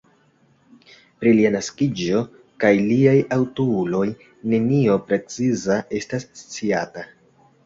Pri lia naskiĝo kaj liaj antaŭuloj nenio preciza estas sciata.